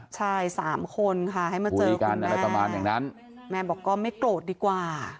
ใช่๓คนค่ะให้มาเจอคุณแม่แม่บอกก็ไม่โกรธดีกว่า